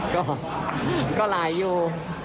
ก็หลายอยู่